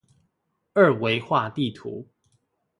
二維畫地圖